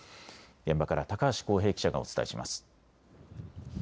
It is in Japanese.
現場から高橋昂平記者がお伝えします。